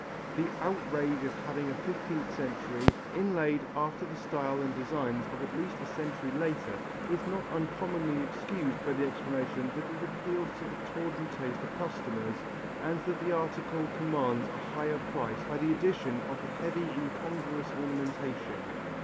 The outrage of having a fifteenth century, inlaid after the style and designs of at least a century later, is not uncommonly excused by the explanation that it appeals to the tawdry taste of customers and that the article commands a higher price by the addition of the heavy incongruous ornamentation.